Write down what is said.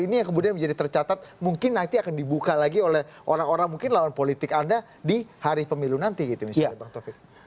ini yang kemudian menjadi tercatat mungkin nanti akan dibuka lagi oleh orang orang mungkin lawan politik anda di hari pemilu nanti gitu misalnya bang taufik